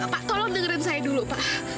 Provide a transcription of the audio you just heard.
pak tolong dengerin saya dulu pak